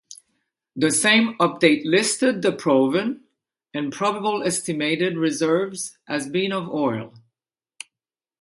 The same update listed the Proven and Probable estimated reserves as being of oil.